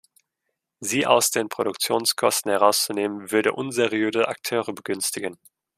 Sie aus den Produktionskosten herauszunehmen, würde unseriöse Akteure begünstigen.